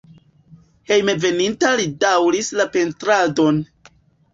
Hejmenveninta li daŭris la pentradon.